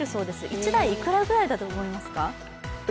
１台いくらぐらいだと思いますか。